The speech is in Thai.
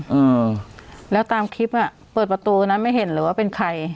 อืมแล้วตามคลิปอ่ะเปิดประตูนั้นไม่เห็นเลยว่าเป็นใคร